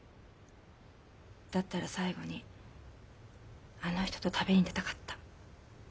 だったら最後にあの人と旅に出たかった。